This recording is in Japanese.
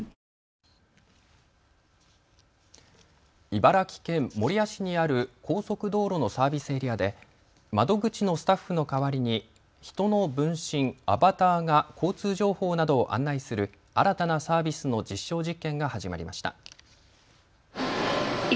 茨城県守谷市にある高速道路のサービスエリアで窓口のスタッフの代わりに人の分身、アバターが交通情報などを案内する新たなサービスの実証実験が始まりました。